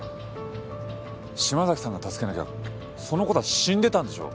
島崎さんが助けなきゃその子たち死んでたんでしょ？